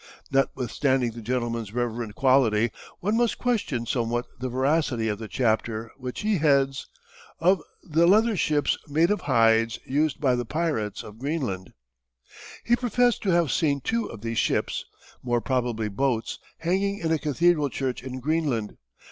Notwithstanding the gentleman's reverend quality, one must question somewhat the veracity of the chapter which he heads: "Of the Leather Ships Made of Hides Used by the Pyrats of Greenland." He professed to have seen two of these "ships," more probably boats, hanging in a cathedral church in Greenland.